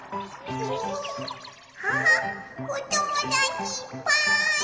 キャハおともだちいっぱい！